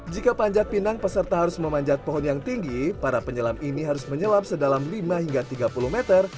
jika panjat pinang peserta harus memanjat pohon yang tinggi para penyelam ini harus menyelam sedalam lima hingga tiga puluh meter